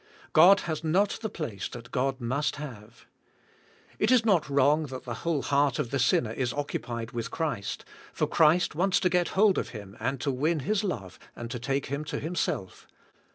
God has not the place that God must have. It is not wrong" that the whole heart of the sinner is occupied with Christ, for Christ wants to g et hold of him and to win his love and to take him to Himself.